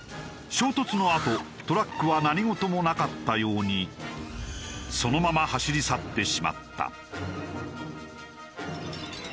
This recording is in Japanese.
衝突のあとトラックは何事もなかったようにそのまま走り去ってしまった。